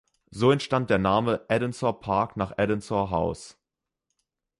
So entstand der Name Edensor Park nach Edensor House.